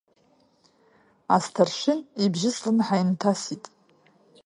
Асҭаршын ибжьы слымҳа инҭасит.